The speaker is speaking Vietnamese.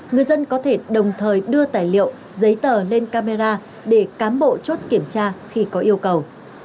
người dân có thể đồng thời đưa tài liệu giấy tờ lên camera để cám bộ chốt kiểm tra khi có yêu cầu